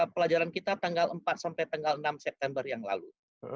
pelajaran kita tanggal empat sampai tanggal enam september yang lalu